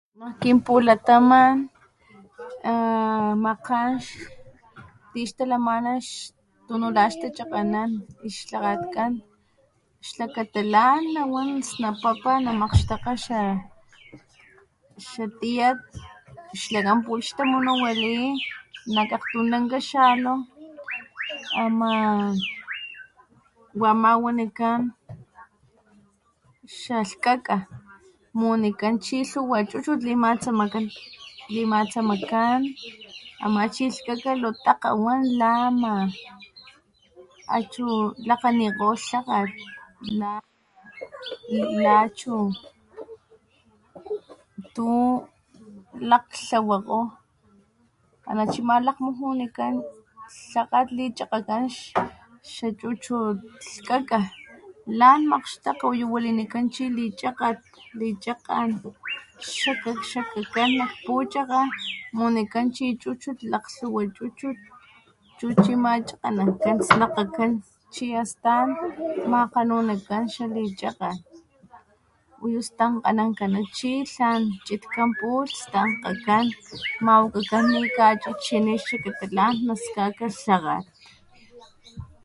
Nak kinpulataman ah magkgan tixtalamana tunu laxtachakganan ix lhakgatkan xlakata lan nawan snapapa namakgxtakga xa xa tiyat xlakan pulh xtamunuwali nak akgtun lanka xalu ama wa ama wanikan xa lhkaka munikan chi lhuwa chuchut limatsamakan limatsamakan ama chi lhkaka lotakga wan la ama a chu lakganikgo lhakgat la achu tu laktlawakgo ana chi ama lakgmujunikan, lhakgat lichakgakan xa chuchut lhkaka lan makgxtakga uyu walinikan chi lichakgat lichakgan xakak xakak xakgakgan nak puchakga munikan chi chuchut lakg lhuwa chuchut chu chi ama chakganankan snakgakgan chi astan makgenunikan xa lichakgan uyu stankganankana chi tlan chitkan pulh stankgakan mawakakan nikachichini xlakata tlan naskaka lhakgat.